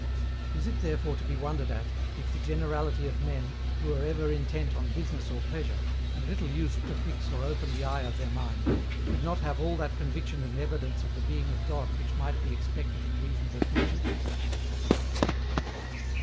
Is it therefore to be wondered at, if the generality of men, who are ever intent on business or pleasure, and little used to fix or open the eye of their mind, should not have all that conviction and evidence of the Being of God which might be expected in reasonable creatures?